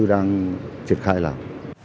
đang triệt khai làm